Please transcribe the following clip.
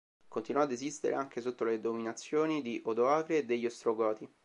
Continuò ad esistere anche sotto le dominazioni di Odoacre e degli Ostrogoti.